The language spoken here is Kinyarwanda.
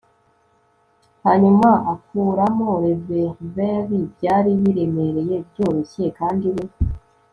hanyuma akuramo reververi. byari biremereye, byoroshye kandi we